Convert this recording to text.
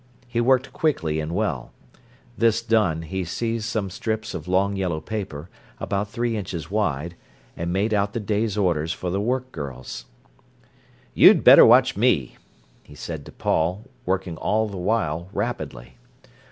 He worked quickly and well. This done, he seized some strips of long yellow paper, about three inches wide, and made out the day's orders for the work girls. "You'd better watch me," he said to Paul, working all the while rapidly.